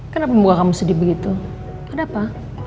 kenapa membuat kamu sedih begitu ada apa